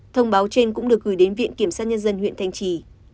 thông báo trên cũng được gửi đến viện kiểm sát nhân dân huyện thanh trì